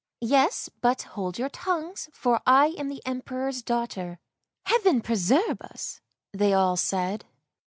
" Yes, but hold your tongues, for I am the Emperor's daughter." " Heaven preserve us! " they all said.